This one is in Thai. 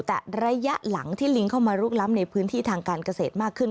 แต่ระยะหลังที่ลิงเข้ามาลุกล้ำในพื้นที่ทางการเกษตรมากขึ้น